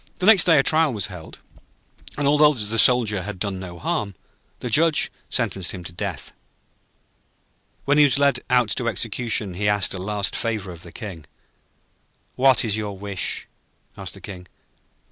Next day a trial was held, and although the Soldier had done no harm, the Judge sentenced him to death. When he was led out to execution he asked a last favour of the King. 'What is your wish?' asked the King.